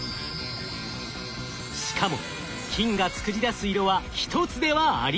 しかも金が作り出す色は一つではありません。